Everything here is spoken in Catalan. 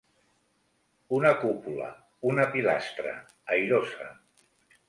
Una cúpula, una pilastra, airosa.